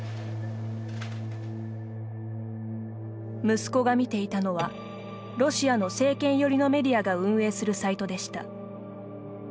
息子が見ていたのはロシアの政権寄りのメディアが運営するサイトでした。